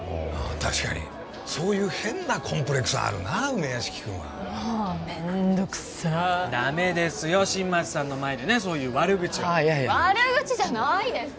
確かにそういう変なコンプレックスあるな梅屋敷君はもう面倒くさいダメですよ新町さんの前でねそういう悪口は悪口じゃないです